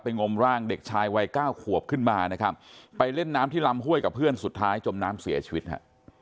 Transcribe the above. งมร่างเด็กชายวัยเก้าขวบขึ้นมานะครับไปเล่นน้ำที่ลำห้วยกับเพื่อนสุดท้ายจมน้ำเสียชีวิตฮะ